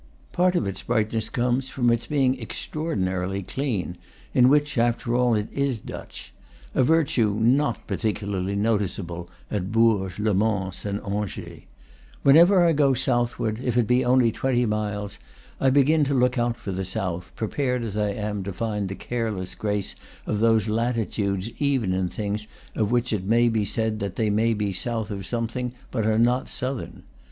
Part of its brightness comes from its being extra ordinarily clean, in which, after all, it is Dutch; a virtue not particularly noticeable at Bourges, Le Mans, and Angers. Whenever I go southward, if it be only twenty miles, I begin to look out for the south, pre pared as I am to find the careless grace of those lati tudes even in things of which it may, be said that they may be south of something, but are not southern.